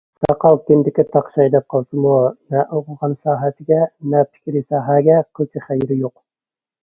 ساقال كىندىككە تاقىشاي دەپ قالسىمۇ نە ئوقۇغان ساھەسىگە، نە پىكرىي ساھەگە قىلچە خەيرى يوق.